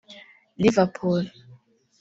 Liverpool